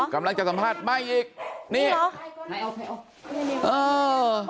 กำลังจะสัมภาษณ์ไหม้อีกนี่นี่หรอ